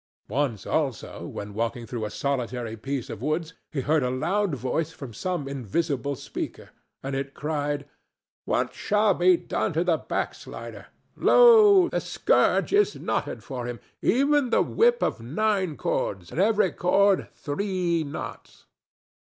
Once, also, when walking through a solitary piece of woods, he heard a loud voice from some invisible speaker, and it cried, "What shall be done to the backslider? Lo! the scourge is knotted for him, even the whip of nine cords, and every cord three knots."